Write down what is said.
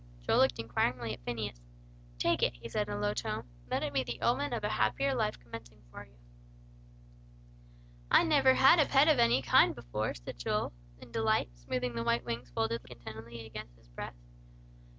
Joel looked up inquiringly at Phineas. "Take it," he said, in a low tone. "Let it be the omen of a happier life commencing for you." "I never had a pet of any kind before," said Joel, in delight, smoothing the white wings folded contentedly against his breast.